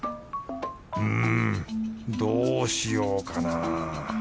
うんどうしようかな。